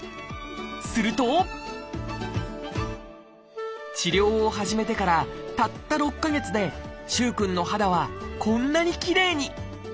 すると治療を始めてからたった６か月で萩くんの肌はこんなにきれいに。